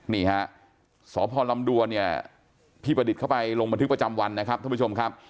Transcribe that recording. นี่ฮะสพลำดวนเนี่ยพี่ประดิษฐ์เข้าไปลงบันทึกประจำวันนะครับท่านผู้ชมครับ